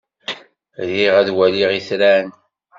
Riɣ ad waliɣ itran.